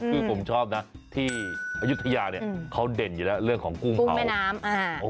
ฉันชอบนะที่อายุตระยาเขาเด่นเวลาเรื่องของกุ้งแม่น้ำ